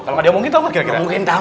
kalau gak diomongin tau gak kira kira